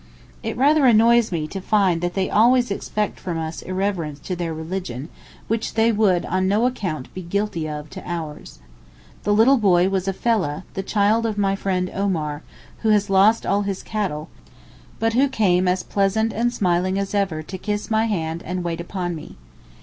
It rather annoys me to find that they always expect from us irreverence to their religion which they would on no account be guilty of to ours. The little boy was a fellah, the child of my friend Omar, who has lost all his cattle, but who came as pleasant and smiling as ever to kiss my hand and wait upon me.